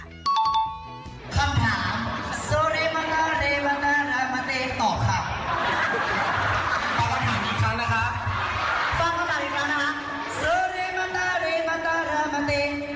ตอบคำถามอีกครั้งหน่ะครับ